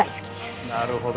なるほど。